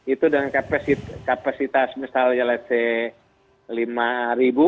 itu dengan kapasitas misalnya let s say lima ribu